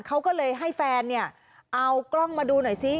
เขาก็เลยให้แฟนเนี่ยเอากล้องมาดูหน่อยซิ